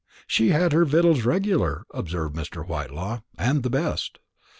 "She had her victuals regular," observed Mr. Whitelaw, "and the best."